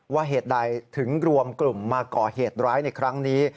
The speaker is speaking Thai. เหตุใดถึงรวมกลุ่มมาก่อเหตุร้ายในครั้งนี้